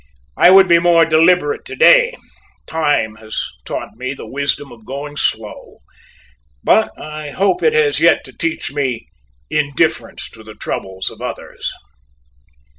I would be more deliberate to day; time has taught me the wisdom of going slow, but I hope it has yet to teach me indifference to the troubles of others.